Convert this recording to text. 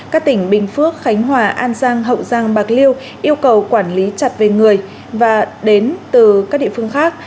các tỉnh bình phước khánh hòa an giang hậu giang bạc liêu yêu cầu quản lý chặt về người và đến từ các địa phương khác